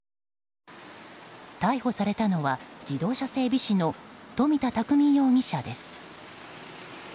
逮捕されたのは自動車整備士の冨田拓巳容疑者です。